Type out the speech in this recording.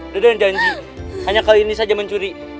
sudah janji hanya kali ini saja mencuri